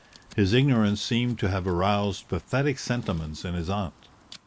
His ignorance seemed to have aroused pathetic sentiments in his aunt.